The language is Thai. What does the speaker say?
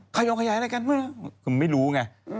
ใครยอมขยายอะไรกันไม่รู้ไง